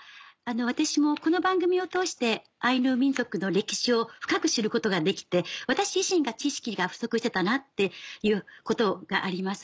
私もこの番組を通してアイヌ民族の歴史を深く知ることができて私自身が知識が不足してたなっていうことがあります。